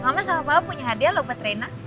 mama sama papa punya hadiah loh buat rena